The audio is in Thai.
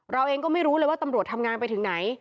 เราเองก็ไม่รู้เลยว่าตำรวจทำงานไปถึงไหน